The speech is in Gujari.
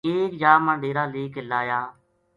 ایک جا ما ڈیر ا لے کے لایا